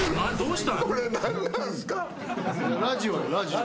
ラジオよラジオ。